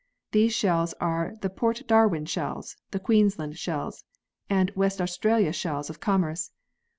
These shells are the " Port Darwin " shells, the " Queensland " shells, and "West Australia" shells of commerce.